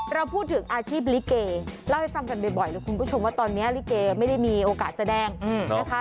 เราพูดถึงอาชีพลิเกเล่าให้ฟังกันบ่อยเลยคุณผู้ชมว่าตอนนี้ลิเกไม่ได้มีโอกาสแสดงนะคะ